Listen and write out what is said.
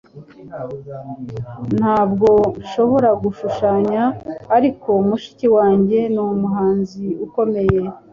Ntabwo nshobora gushushanya, ariko mushiki wanjye numuhanzi ukomeye.